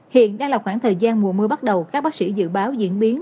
hiện đang là khoảng thời gian mùa mưa bắt đầu các bác sĩ dự báo diễn biến